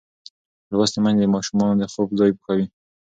لوستې میندې د ماشومانو د خوب ځای پاکوي.